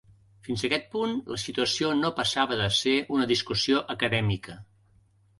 Fins aquest punt, la situació no passava de ser una discussió acadèmica.